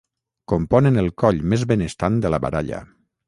Componen el coll més benestant de la baralla.